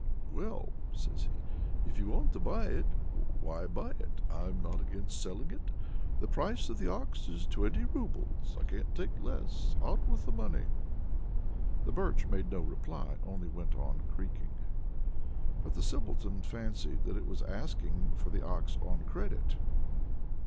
Well," says he, "if you want to buy it, why buy it. I'm not against selling it. The price of the ox is twenty roubles. I can't take less. Out with the money!" The Birch made no reply, only went on creaking. But the Simpleton fancied that it was asking for the ox on credit.